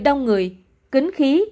đông người kính khí